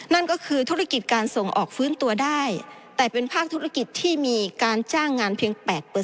นั่นก็คือธุรกิจการส่งออกฟื้นตัวได้แต่เป็นภาคธุรกิจที่มีการจ้างงานเพียง๘